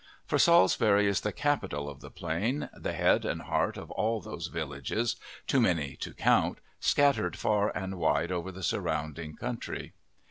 For Salisbury is the capital of the Plain, the head and heart of all those villages, too many to count, scattered far and wide over the surrounding country.